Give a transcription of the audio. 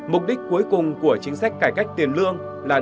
mục đích cuối cùng của chính sách cải cách tiền lương là đời sống của quốc gia